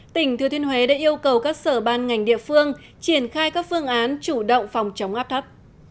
tỉnh thừa thiên huế đã yêu cầu các sở ban ngành địa phương triển khai các phương án chủ động phòng chống áp thấp